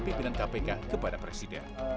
pimpinan kpk kepada presiden